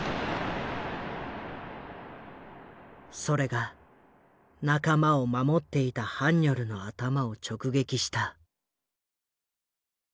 それが仲間を守っていたハンニョルの頭を直撃した。